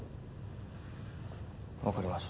分かりました。